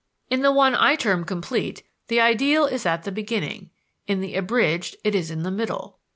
In the one I term "complete" the ideal is at the beginning: in the "abridged" it is in the middle.